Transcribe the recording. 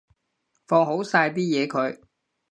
放好晒啲嘢佢